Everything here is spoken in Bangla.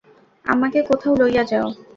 আমাকে কোথায় লইয়া যাও?